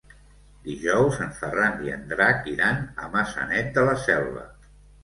Dijous en Ferran i en Drac iran a Maçanet de la Selva.